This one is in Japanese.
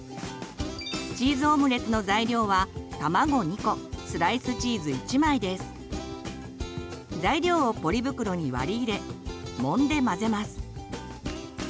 チーズオムレツの材料は材料をポリ袋に割り入れもんで混ぜます。